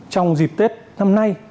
trong dịp tết năm nay